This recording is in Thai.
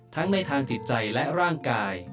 ทั้งในทางจิตใจและร่างกาย